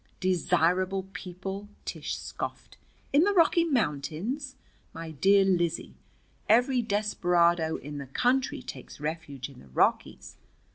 "Desirable people!" Tish scoffed. "In the Rocky Mountains! My dear Lizzie, every desperado in the country takes refuge in the Rockies.